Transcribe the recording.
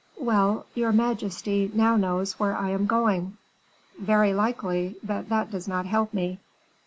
"Well, your majesty now knows where I am going." "Very likely; but that does not help me."